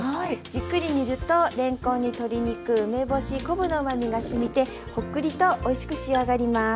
じっくり煮るとれんこんに鶏肉梅干し昆布のうまみがしみてホックリとおいしく仕上がります。